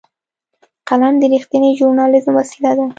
قلم د رښتینې ژورنالېزم وسیله ده